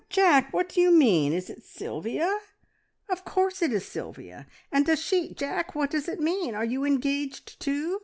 Jack, what do you mean? Is it Sylvia? Of course it is Sylvia! And does she Jack, what does it mean? Are you engaged too?